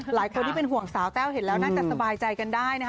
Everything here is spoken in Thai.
หลายคนที่เห็นแซวเห็นน่าจะสบายใจกันได้